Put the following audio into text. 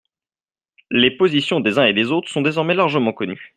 Les positions des uns et des autres sont désormais largement connues.